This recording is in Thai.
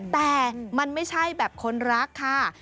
แต่มันไม่ใช่แบบคนรักค่ะ